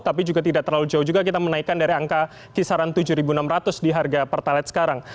tapi juga tidak terlalu jauh juga kita menaikkan dari angka kisaran tujuh enam ratus di harga pertalite sekarang